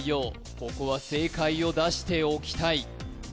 ここは正解を出しておきたい